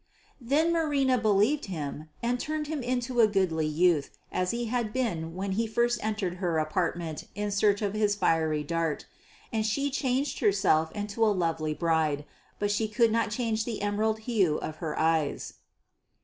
Then Marina believed him and turned him into a goodly youth as he had been when he first entered her apartment in search of his fiery dart; and she changed herself into a lovely bride, but she could not change the emerald hue of her eyes.